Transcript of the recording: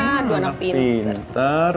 aduh anak pintar